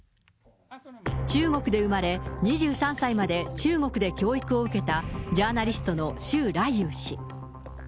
中国で生まれ、２３歳まで中国で教育を受けた、ジャーナリストの周来友氏。